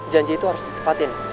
janji itu harus ditepatin